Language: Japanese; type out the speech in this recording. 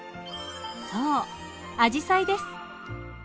そうアジサイです。